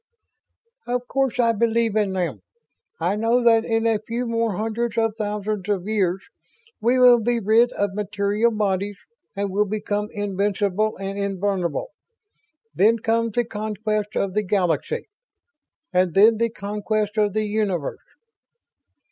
"Of course I believe in them! I know that in a few more hundreds of thousands of years we will be rid of material bodies and will become invincible and invulnerable. Then comes the Conquest of the Galaxy ... and then the Conquest of the Universe!"